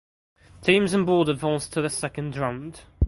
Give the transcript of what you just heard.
Teams in bold advanced to the second round.